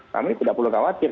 kami tidak perlu khawatir